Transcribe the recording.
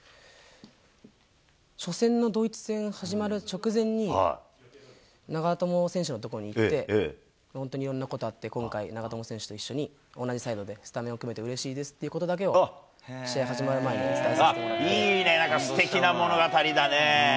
初戦のドイツ戦始まる直前に、長友選手の所に行って、本当にいろんなことあって、今回、長友選手と一緒に同じサイドで、スタメンを組めてうれしいですということだけを試合始まる前に伝いいね、なんかすてきな物語だね。